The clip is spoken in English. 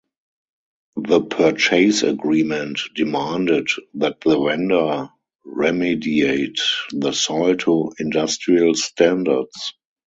The purchase agreement demanded that the vendor remediate the soil to industrial standards.